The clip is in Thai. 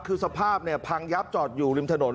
คือสภาพพังยับจอดอยู่ริมถนน